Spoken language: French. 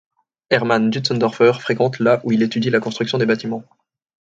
Hermann Dunzendorfer fréquente la où il étudie la construction de bâtiments.